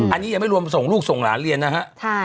อันนี้ยังไม่รวมส่งลูกส่งหลานเรียนนะฮะ